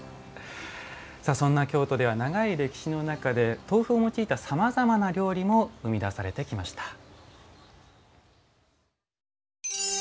そんな京都では長い歴史の中で豆腐を用いたさまざまな料理も生み出されてきました。